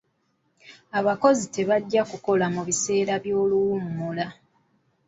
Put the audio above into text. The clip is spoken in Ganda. Abakozi tebajja kukola mu biseera by'oluwummula.